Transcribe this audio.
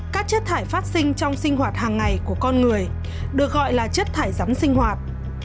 các chất thải phát sinh trong sinh hoạt hàng ngày của con người được gọi là chất thải rắn sinh hoạt